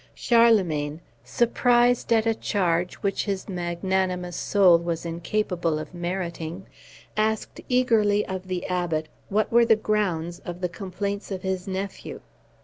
Charlemagne, surprised at a charge which his magnanimous soul was incapable of meriting, asked eagerly of the Abbot what were the grounds of the complaints of his nephew.